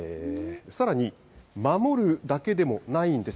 さらに、守るだけでもないんです。